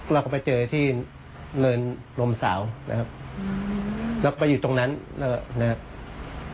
เราก็ไปเจอที่เนินลมสาวนะครับแล้วก็อยู่ตรงนั้นนะครับ